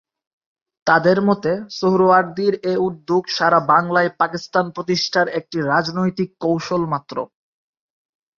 তাঁদের মতে, সোহরাওয়ার্দীর এ উদ্যোগ সারা বাংলায় পাকিস্তান প্রতিষ্ঠার একটি রাজনৈতিক কৌশল মাত্র।